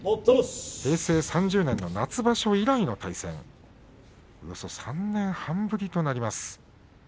平成３０年の夏場所以来の対戦およそ３年半ぶりとなります。